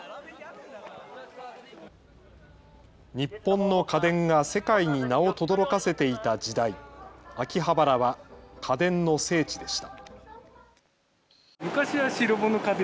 日本の家電が世界に名をとどろかせていた時代、秋葉原は家電の聖地でした。